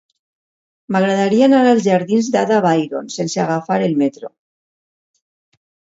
M'agradaria anar als jardins d'Ada Byron sense agafar el metro.